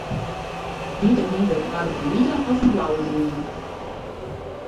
Wite wyn wurdt makke fan wite of fan blauwe druven.